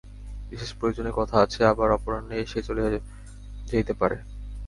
বিশেষ প্রয়োজনীয় কথা আছে, আবার অপরাহ্নেই সে চলিয়া যাইতে পারে।